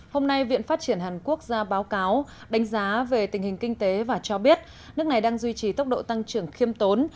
hôm nay viện phát triển hàn quốc ra báo cáo đánh giá về tình hình kinh tế và cho biết nước này đang duy trì tốc độ tăng trưởng khiêm tốn